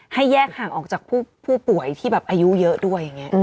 ให้แยกห่างออกจากผู้ป่วยที่แบบอายุเยอะด้วยอย่างนี้